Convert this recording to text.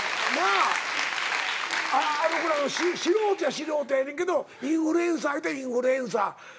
素人やねんけどインフルエンサーやてインフルエンサー。